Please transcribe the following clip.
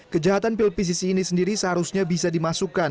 kejahatan pil pcc ini sendiri seharusnya bisa dimasukkan